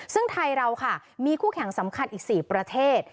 ซึ่งไทยเราค่ะมีคู่แข่งสำคัญอีก๔ประเทศ